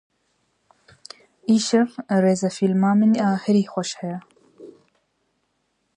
Îşev rêzefîlma min a herî xweş heye.